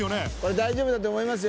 大丈夫だと思いますよ。